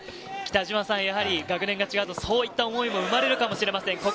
やはり学年が違うと、そういった思いも生まれるかもしれません。